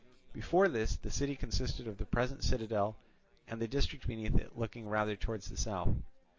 Before this the city consisted of the present citadel and the district beneath it looking rather towards the south.